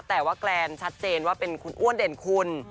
แต่ว่าแกรนชัดเจนว่าเป็นคุณอ้วนเด่นคุณ